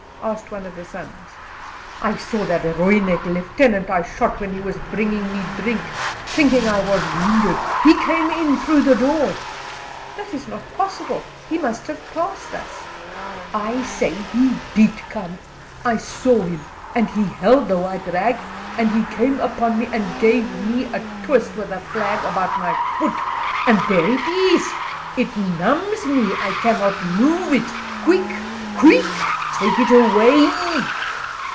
asked one of the sons. "I saw that Rooinek lieutenant I shot when he was bringing me drink, thinking I was wounded. He came in through the door " "That is not possible he must have passed us." "I say he did come. I saw him, and he held the white rag, and he came upon me and gave me a twist with the flag about my foot, and there it is it numbs me. I cannot move it. Quick, quick, take it away."